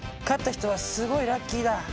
勝った人はすごいラッキーだ！